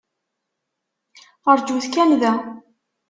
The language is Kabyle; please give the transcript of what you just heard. Aṛǧut kan da.